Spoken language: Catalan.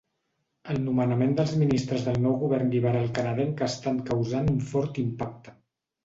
El nomenament dels ministres del nou govern liberal canadenc estan causant un fort impacte.